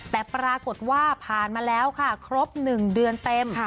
แต่ปรากฏว่าผ่านมาแล้วค่ะครบ๑เดือนเต็ม